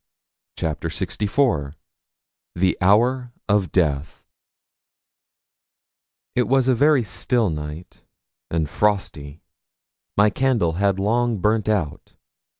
CHAPTER LXIV THE HOUR OF DEATH It was a very still night and frosty. My candle had long burnt out.